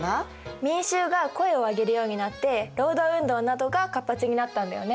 民衆が声を上げるようになって労働運動などが活発になったんだよね。